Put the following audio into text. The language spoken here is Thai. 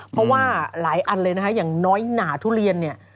เพราะว่าหลายอันเลยนะคะอย่างน้อยหนาทุเรียนเนี่ย